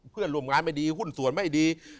เพื่อนร่วมงานไม่ดีหุ้นส่วนไม่ดี